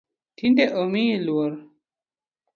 Tinde omiyi luor .